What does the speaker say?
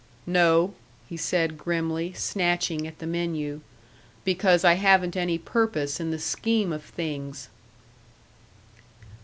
"No," he said, grimly, snatching at the menu, "because I haven't any purpose in the scheme of things."